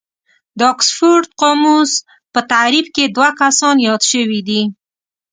د اکسفورډ قاموس په تعريف کې دوه کسان ياد شوي دي.